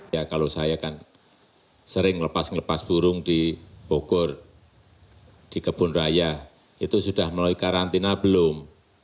ya kalau saya kan sering melepas ngelepas burung di bogor di kebun raya itu sudah melalui karantina belum